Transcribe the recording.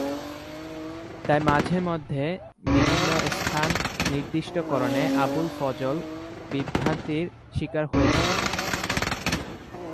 তাই মাঝে মধ্যে বিভিন্ন স্থান নির্দিষ্টকরণে আবুল ফজল বিভ্রান্তির শিকার হয়েছেন।